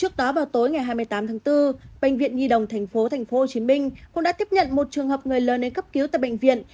trước đó vào tối ngày hai mươi tám tháng bốn bệnh viện nhi đồng tp hcm cũng đã tiếp nhận một trường hợp người lớn đến cấp cứu tại bệnh viện